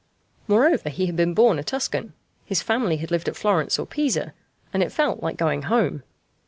Moreover, he had been born a Tuscan, his family had lived at Florence or Pisa, and it felt like going home.